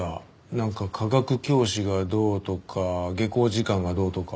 なんか化学教師がどうとか下校時間がどうとか。